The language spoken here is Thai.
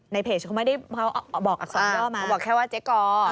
ในเพจเขาบอกแค่ว่าเจ๊กอ